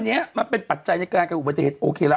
อันนี้มันเป็นปัจจัยในการกับอุบัติเหตุโอเคละ